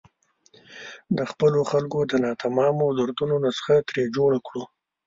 د خپلو خلکو د ناتمامو دردونو نسخه ترې جوړه کړو.